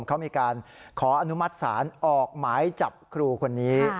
เขามีการขออนุมัติศาลออกหมายจับครูคนนี้